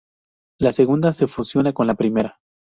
La segunda se fusiona con la primera.